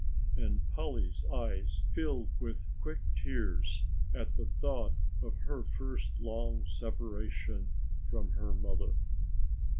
And Polly's eyes filled with quick tears at the thought of her first long separation from her mother.